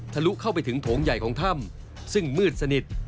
ลุเข้าไปถึงโถงใหญ่ของถ้ำซึ่งมืดสนิท